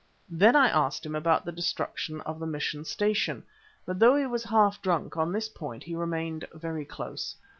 Then I asked him about the destruction of the mission station, but although he was half drunk, on this point he remained very close.